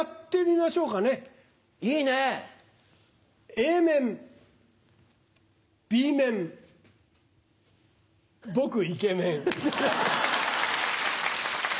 Ａ面Ｂ面僕イケメン。